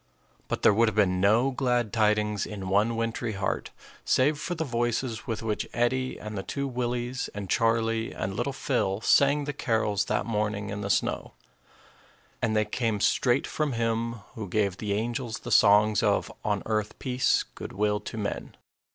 But there would have been no glad tidings in one wintry heart save for the voices with which Eddie and the two Willies and Charlie and little Phil sang the carols that morning in the snow; and they came straight from Him who gave the angels the songs of, "On earth peace, good will to men."